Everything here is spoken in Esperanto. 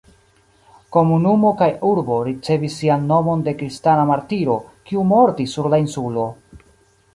Komunumo kaj urbo ricevis sian nomon de kristana martiro, kiu mortis sur la insulo.